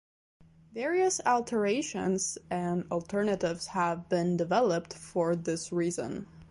Various alterations and alternatives have been developed for this reason.